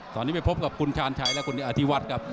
ตอนนี้ไปพบกับคุณชาญชัยและคุณอธิวัฒน์ครับ